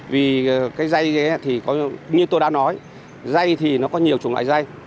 vì cái dây thì như tôi đã nói dây thì nó có nhiều chủng loại dây